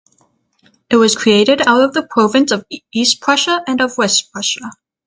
It was created out of the Province of East Prussia and of West Prussia.